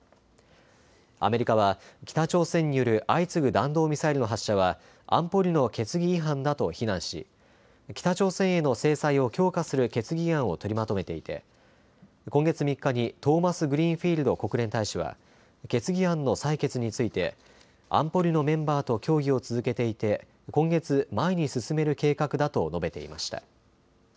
アメリカは北朝鮮による相次ぐ弾道ミサイルの発射は安保理の決議違反だと非難し北朝鮮への制裁を強化する決議案をとりまとめていて今月３日にトーマスグリーンフィールド国連大使は決議案の採決について安保理のメンバーと協議を続けていて今月、前に進める計画だと述べていました。